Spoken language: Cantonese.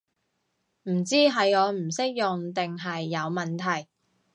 唔知係我唔識用定係有問題